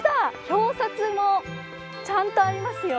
表札もちゃんとありますよ。